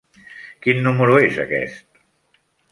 Quin número és aquest?